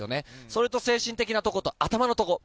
それと、精神的なところと頭のところ。